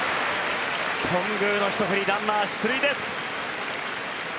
頓宮のひと振りランナー出塁です。